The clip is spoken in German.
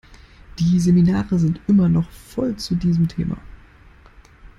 Die Seminare sind immer noch voll zu diesem Thema.